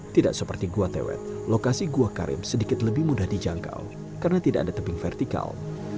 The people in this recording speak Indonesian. tidak seperti gua tewet lokasi gua karim sedikit lebih mudah dijangkau karena tidak ada tebing vertikal